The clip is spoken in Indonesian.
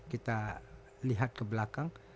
kita lihat ke belakang